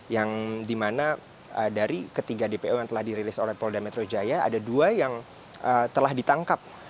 yang dimana dari ketiga dpo yang telah dirilis oleh polda metro jaya ada dua yang telah ditangkap